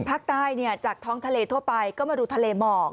ภาคใต้จากท้องทะเลทั่วไปก็มาดูทะเลหมอก